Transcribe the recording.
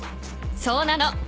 そうなの。